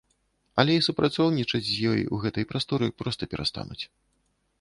Але і супрацоўнічаць з ёй у гэтай прасторы проста перастануць.